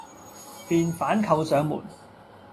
便反扣上門，